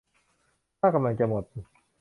ถ้ากำลังจะหมด